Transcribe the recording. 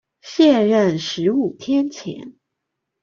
卸任十五天前